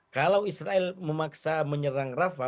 kalau israel memaksa menyerang rafa